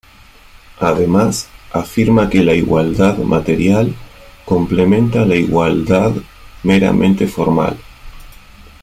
Además, afirma que la igualdad material complementa la igualdad meramente formal.